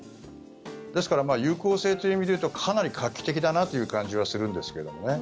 ですから有効性という意味でいうとかなり画期的だなという感じはするんですけれどもね。